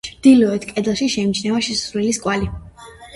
ჩრდილოეთ კედელში შეიმჩნევა შესასვლელის კვალი.